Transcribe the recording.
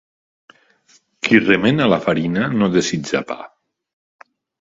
Qui remena la farina no desitja pa.